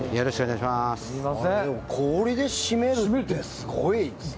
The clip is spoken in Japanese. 氷で締めるってすごいですね。